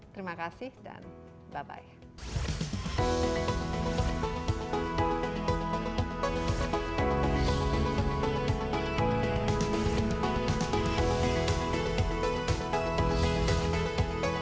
terima kasih dan bye bye